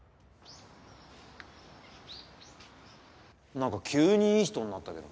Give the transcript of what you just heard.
なんか急にいい人になったけど。